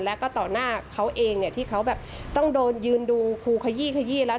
แล้วก็ต่อหน้าเขาเองเนี่ยที่เขาแบบต้องโดนยืนดูครูขยี้ขยี้แล้ว